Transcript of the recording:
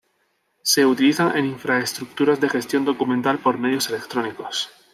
Se utilizan en infraestructuras de gestión documental por medios electrónicos.